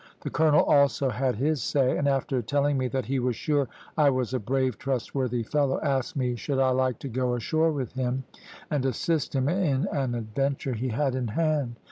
The colonel also had his say, and after telling me that he was sure I was a brave, trustworthy fellow, asked me should I like to go ashore with him, and assist him in an adventure he had in hand.